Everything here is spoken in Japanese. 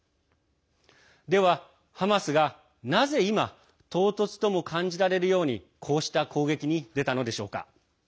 では、ハマスが、なぜ今唐突とも感じられるようにこうした攻撃に出たのでしょうか。